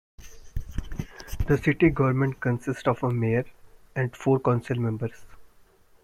The city government consists of a mayor and four council members.